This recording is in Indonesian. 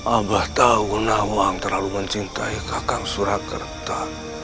abang tahu nawang terlalu mencintai kakak surakerta